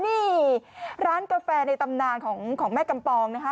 นี่ร้านกาแฟในตำนานของแม่กำปองนะคะ